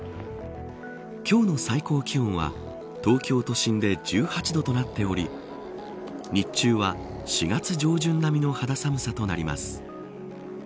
今日の最高気温は東京都心で１８度となっており日中は４月上旬並みの肌寒さとなります。